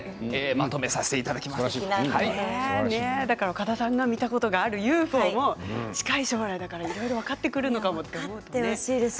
岡田さんが見たことがあるＵＦＯも近い将来いろいろ分かってくるかもしれないですね。